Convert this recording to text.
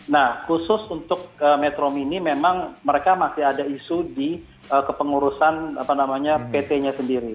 nah khusus untuk metro mini memang mereka masih ada isu di kepengurusan pt nya sendiri